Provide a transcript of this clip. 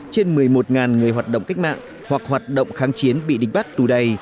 trên một mươi một người hoạt động cách mạng hoặc hoạt động kháng chiến bị địch bắt tù đầy